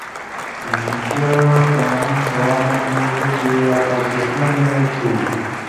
مھی کیا تُو آمن کھوا نہ کو کئی کہ آ پاکستان می تُھو۔